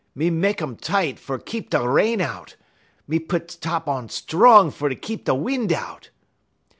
Me mek um tight fer keep da rain out; me pit top on strong fer keep da win' out.'